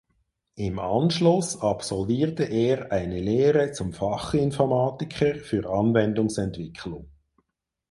Im Anschluss absolvierte er eine Lehre zum Fachinformatiker für Anwendungsentwicklung.